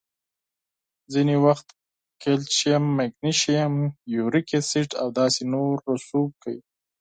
ځینې وخت کلسیم، مګنیزیم، یوریک اسید او داسې نور رسوب کوي.